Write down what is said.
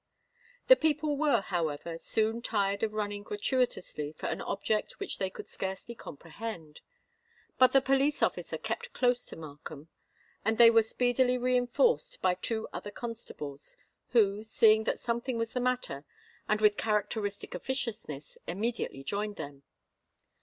The people were, however, soon tired of running gratuitously for an object which they could scarcely comprehend; but the police officer kept close to Markham; and they were speedily reinforced by two other constables, who, seeing that something was the matter, and with characteristic officiousness, immediately joined them.